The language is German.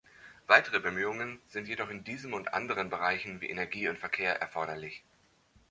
Weitere Bemühungen sind jedoch in diesem und anderen Bereichen wie Energie und Verkehr erforderlich.